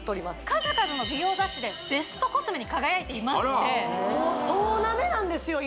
数々の美容雑誌でベストコスメに輝いていますのでもう総ナメなんですよ